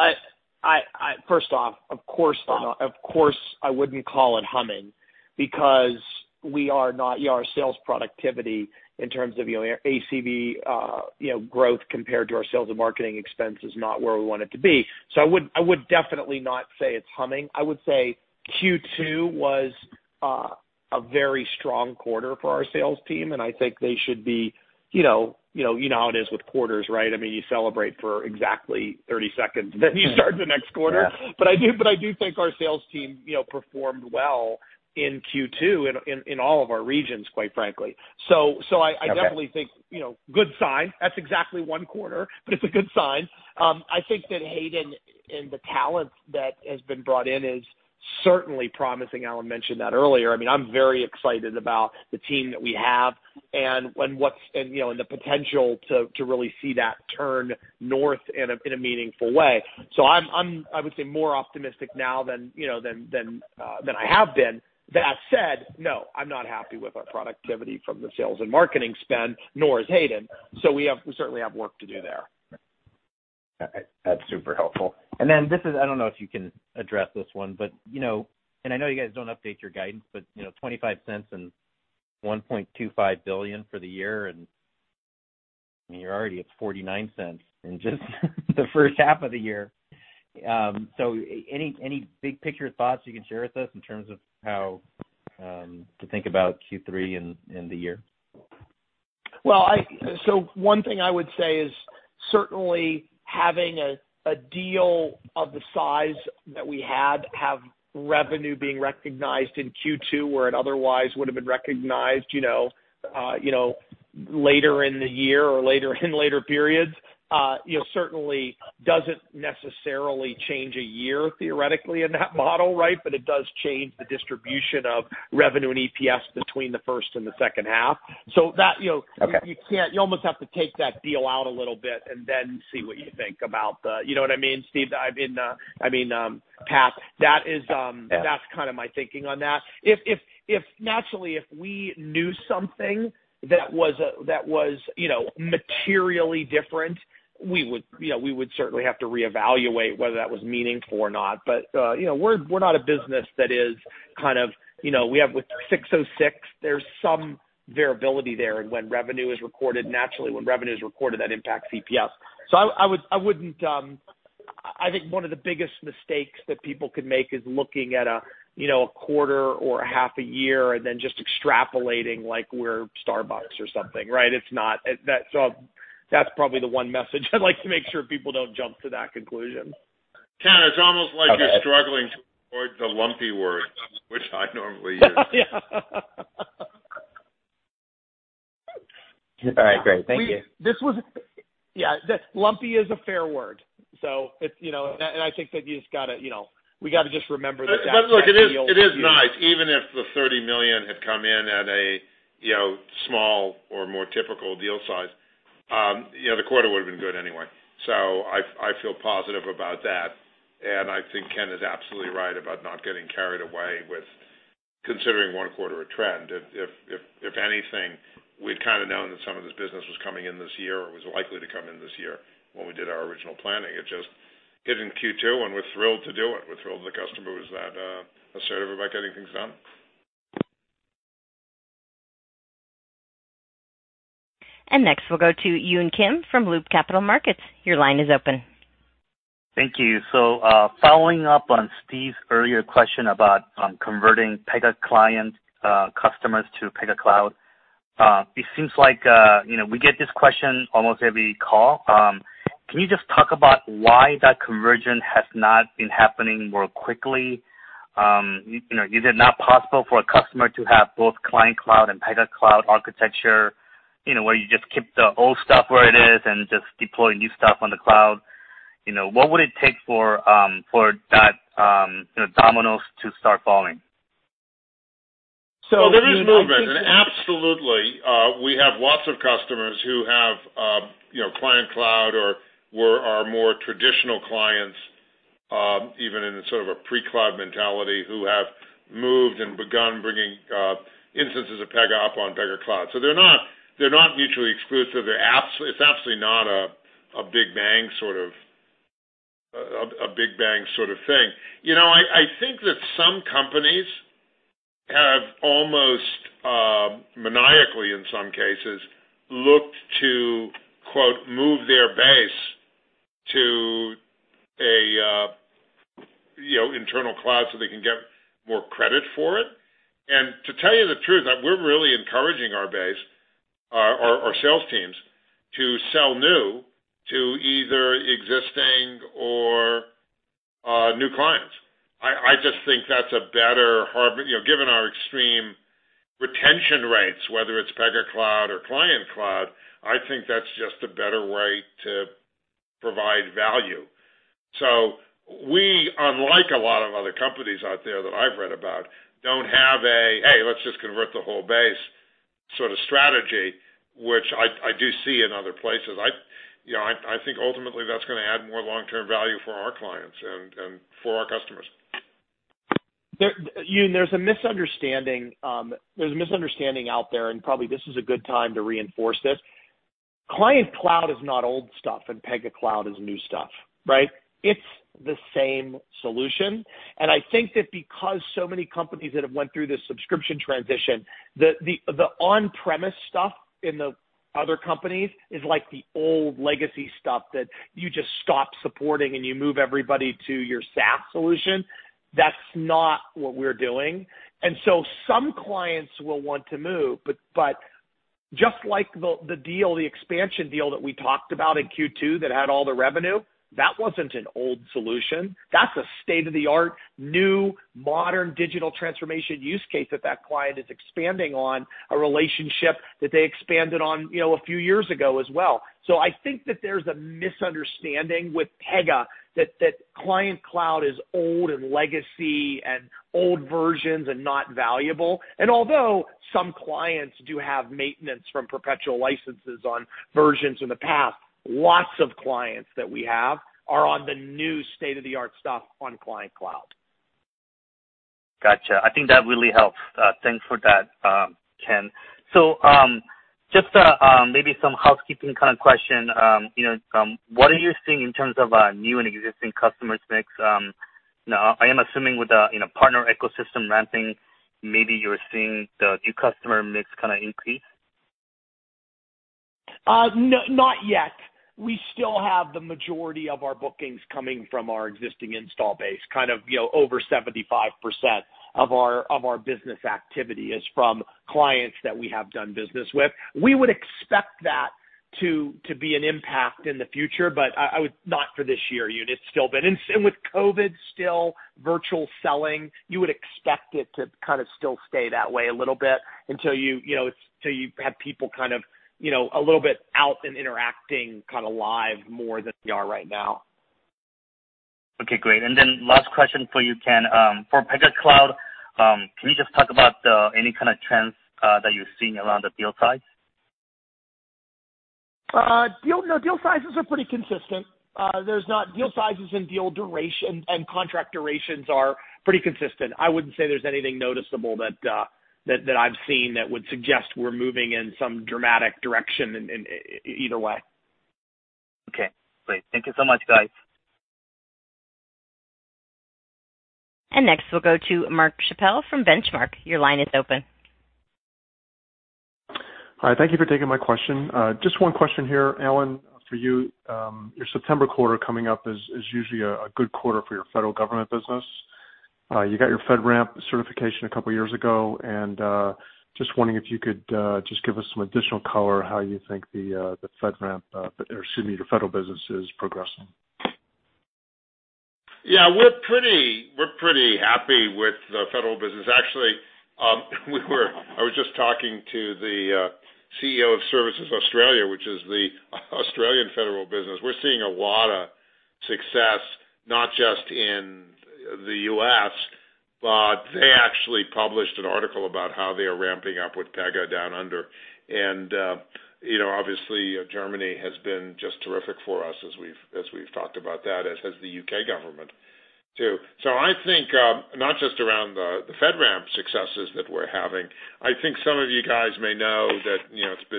first off, of course, I wouldn't call it humming because our sales productivity in terms of our ACV growth compared to our sales and marketing expense is not where we want it to be. I would definitely not say it's humming. I would say Q2 was a very strong quarter for our sales team, and I think they should be, you know how it is with quarters, right? You celebrate for exactly 30 seconds, then you start the next quarter. Yeah. I do think our sales team performed well in Q2, in all of our regions, quite frankly. Okay. I definitely think good sign. That is exactly one quarter, but it's a good sign. I think that Hayden and the talent that has been brought in is certainly promising. Alan mentioned that earlier. I'm very excited about the team that we have and the potential to really see that turn north in a meaningful way. I would say more optimistic now than I have been. That said, no, I'm not happy with our productivity from the sales and marketing spend, nor is Hayden. We certainly have work to do there. That's super helpful. This is, I don't know if you can address this one. I know you guys don't update your guidance, but $0.25 and $1.25 billion for the year, and you're already at $0.49 in just the first half of the year. Any big-picture thoughts you can share with us in terms of how to think about Q3 and the year? One thing I would say is certainly having a deal of the size that we had have revenue being recognized in Q2, where it otherwise would've been recognized later in the year or later in later periods. Certainly doesn't necessarily change a year theoretically in that model, right? It does change the distribution of revenue and EPS between the first and the second half. Okay. You almost have to take that deal out a little bit and then see what you think. You know what I mean, Steve? I mean, Pat, that's my thinking on that. Naturally, if we knew something that was materially different, we would certainly have to reevaluate whether that was meaningful or not. We're not a business that is kind of With 606, there's some variability there in when revenue is recorded. Naturally, when revenue is recorded, that impacts EPS. I think one of the biggest mistakes that people could make is looking at a quarter or a half a year and then just extrapolating like we're Starbucks or something, right? It's not. That's probably the one message I'd like to make sure people don't jump to that conclusion. Okay. Ken, it's almost like you're struggling towards the lumpy word, which I normally use. All right, great. Thank you. Yeah. Lumpy is a fair word. I think that we got to just remember that. Look, it is nice. Even if the $30 million had come in at a small or more typical deal size, the quarter would've been good anyway. I feel positive about that, and I think Ken is absolutely right about not getting carried away with considering one quarter a trend. If anything, we'd kind of known that some of this business was coming in this year or was likely to come in this year when we did our original planning. It just hit in Q2, and we're thrilled to do it. We're thrilled the customer was that assertive about getting things done. Next, we'll go to Yun Kim from Loop Capital Markets. Your line is open. Thank you. Following up on Steve's earlier question about converting Pega client customers to Pega Cloud. It seems like we get this question almost every call. Can you just talk about why that conversion has not been happening more quickly? Is it not possible for a customer to have both client cloud and Pega Cloud architecture, where you just keep the old stuff where it is and just deploy new stuff on the cloud? What would it take for that dominoes to start falling? There is movement. Absolutely. We have lots of customers who have client cloud or were our more traditional clients, even in a sort of a pre-cloud mentality, who have moved and begun bringing instances of Pega up on Pega Cloud. They're not mutually exclusive. It's absolutely not a big bang sort of thing. I think that some companies have almost maniacally, in some cases, looked to, quote, move their base to internal cloud so they can get more credit for it. To tell you the truth, we're really encouraging our base, our sales teams, to sell new to either existing or new clients. Given our extreme retention rates, whether it's Pega Cloud or client cloud, I think that's just a better way to provide value. We, unlike a lot of other companies out there that I've read about, don't have a, hey, let's just convert the whole base, sort of strategy, which I do see in other places. I think ultimately that's going to add more long-term value for our clients and for our customers. Yun, there's a misunderstanding out there, and probably this is a good time to reinforce this. Client-managed Cloud is not old stuff, and Pega Cloud is new stuff, right? It's the same solution. I think that because so many companies that have went through this subscription transition, the on-premise stuff in the other companies is like the old legacy stuff that you just stop supporting, and you move everybody to your SaaS solution. That's not what we're doing. Some clients will want to move, but just like the deal, the expansion deal that we talked about in Q2 that had all the revenue, that wasn't an old solution. That's a state-of-the-art, new, modern digital transformation use case that that client is expanding on a relationship that they expanded on a few years ago as well. I think that there's a misunderstanding with Pega, that Client-managed Cloud is old and legacy and old versions and not valuable. Although some clients do have maintenance from perpetual licenses on versions in the past, lots of clients that we have are on the new state-of-the-art stuff on Client-managed Cloud. Got you. I think that really helps. Thanks for that, Ken. Just maybe some housekeeping kind of question. What are you seeing in terms of new and existing customers mix? I am assuming with the partner ecosystem ramping, maybe you're seeing the new customer mix increase? Not yet. We still have the majority of our bookings coming from our existing install base. Over 75% of our business activity is from clients that we have done business with. We would expect that to be an impact in the future, but not for this year, Yun. With COVID still virtual selling, you would expect it to still stay that way a little bit until you have people a little bit out and interacting live more than they are right now. Okay, great. Last question for you, Ken. For Pega Cloud, can you just talk about any kind of trends that you're seeing around the deal size? No. Deal sizes are pretty consistent. Deal sizes and deal duration and contract durations are pretty consistent. I wouldn't say there's anything noticeable that I've seen that would suggest we're moving in some dramatic direction in either way. Okay, great. Thank you so much, guys. Next, we'll go to Mark Schappel from Benchmark. Your line is open. Hi. Thank you for taking my question. Just one question here, Alan, for you. Your September quarter coming up is usually a good quarter for your federal government business. You got your FedRAMP certification a couple of years ago, and just wondering if you could just give us some additional color how you think the FedRAMP, or excuse me, your federal business is progressing. Yeah. We're pretty happy with the federal business. Actually, I was just talking to the CEO of Services Australia, which is the Australian federal business. We're seeing a lot of success, not just in the U.S., but they actually published an article about how they are ramping up with Pega down under. Obviously, Germany has been just terrific for us as we've talked about that, as has the U.K. government, too. I think not just around the FedRAMP successes that we're having, I think some of you guys may know that it's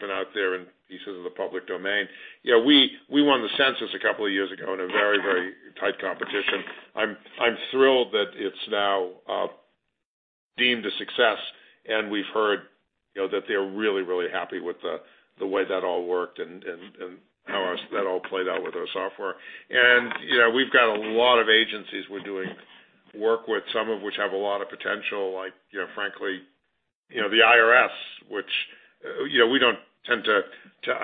been out there in pieces of the public domain. We won the Census a couple of years ago in a very tight competition. I'm thrilled that it's now deemed a success, and we've heard that they're really happy with the way that all worked and how that all played out with our software. We've got a lot of agencies we're doing work with, some of which have a lot of potential, like frankly, the IRS. We don't tend to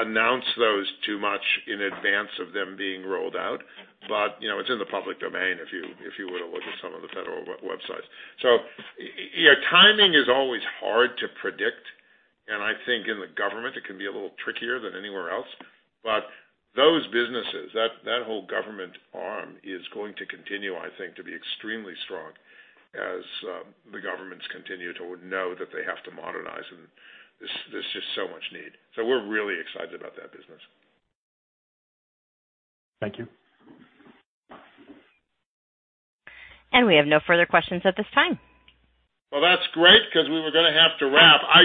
announce those too much in advance of them being rolled out, but it's in the public domain if you were to look at some of the federal websites. Timing is always hard to predict, and I think in the government, it can be a little trickier than anywhere else. Those businesses, that whole government arm is going to continue, I think, to be extremely strong as the governments continue to know that they have to modernize, and there's just so much need. We're really excited about that business. Thank you. We have no further questions at this time. Well, that's great because we were going to have to wrap. I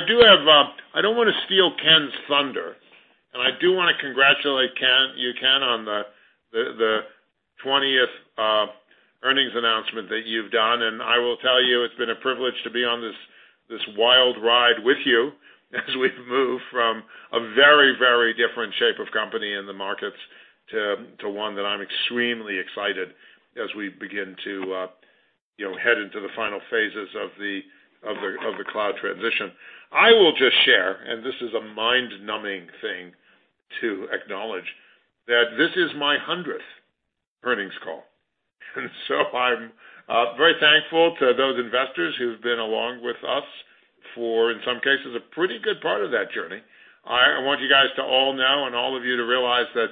don't want to steal Ken's thunder, and I do want to congratulate you, Ken, on the 20th earnings announcement that you've done, and I will tell you, it's been a privilege to be on this wild ride with you as we move from a very different shape of company in the markets to one that I'm extremely excited as we begin to head into the final phases of the cloud transition. I will just share, and this is a mind-numbing thing to acknowledge, that this is my 100th earnings call. I'm very thankful to those investors who've been along with us for, in some cases, a pretty good part of that journey. I want you guys to all know and all of you to realize that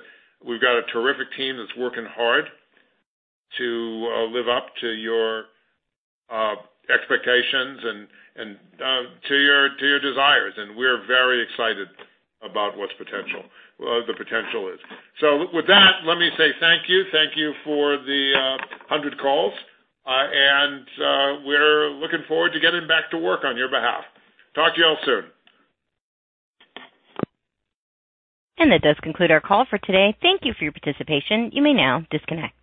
we've got a terrific team that's working hard to live up to your expectations and to your desires, and we're very excited about what the potential is. With that, let me say thank you. Thank you for the 100 calls. We're looking forward to getting back to work on your behalf. Talk to you all soon. That does conclude our call for today. Thank you for your participation. You may now disconnect.